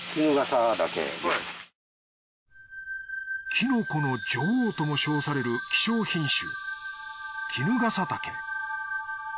キノコの女王とも称される希少品種キヌガサタケ。